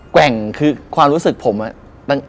แกว่งคือความรู้สึกผมอะ